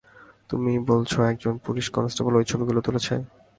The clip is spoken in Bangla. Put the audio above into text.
তুমি বলছো একজন পুলিশ কনস্টেবল ওই ছবিগুলো তুলেছে?